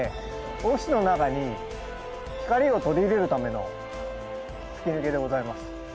オフィスの中に光を取り入れるための吹き抜けでございます。